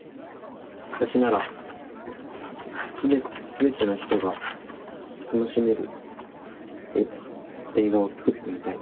私ならすべての人が楽しめる映画を作ってみたい。